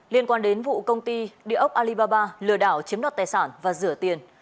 liên quan đến vụ công ty địa ốc alibaba lừa đảo chiếm đoạt tài sản và rửa tiền